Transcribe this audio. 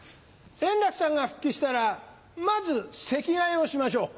円楽さんが復帰したらまず席替えをしましょう。